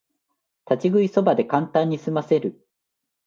立ち食いそばでカンタンにすませる